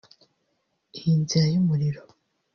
iy’inzira y’umuriro